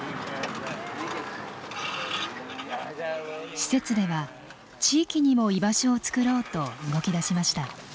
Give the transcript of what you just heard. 施設では地域にも居場所をつくろうと動きだしました。